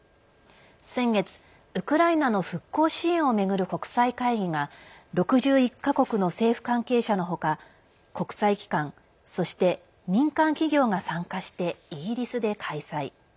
先月、ウクライナの復興支援を巡る国際会議が６１か国の政府関係者の他国際機関そして、民間企業が参加してイギリスで開催。